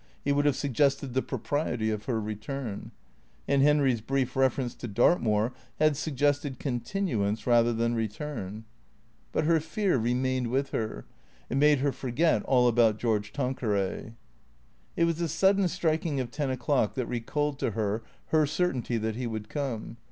He would have suggested the propriety of her return. And Henry's brief reference to Dartmoor had suggested continuance rather than return. THECREATOES 479 But her fear remained with her. It made her forget all about George Tanqueray. It was the sudden striking of ten o'clock that recalled to her her certainty that he would come.